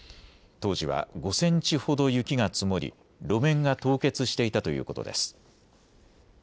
当時は５センチほど雪が積もり路面が凍結していたということです。